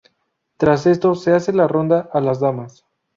Tras esto se hace la ronda a las damas.